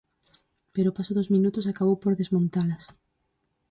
Pero o paso dos minutos acabou por desmontalas.